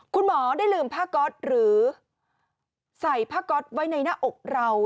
คุณหมอได้ลืมผ้าก๊อตหรือใส่ผ้าก๊อตไว้ในหน้าอกเรา